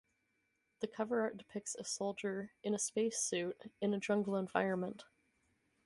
The cover art depicts a soldier in a spacesuit in a jungle environment.